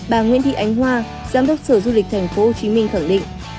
bà nguyễn thị ánh hoa giám đốc sở du lịch tp hcm khẳng định